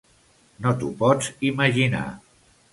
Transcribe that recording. No t’ho pots imaginar!